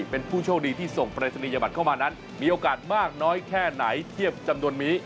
เป็นผู้โชคดีที่ส่งปรายศนียบัตรเข้ามานั้นมีโอกาสมากน้อยแค่ไหนเทียบจำนวนนี้